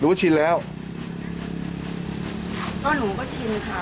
หรือว่าชินแล้วก็หนูก็ชินค่ะ